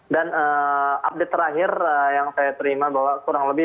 dan update terakhir yang saya terima bahwa kurang lebih lima belas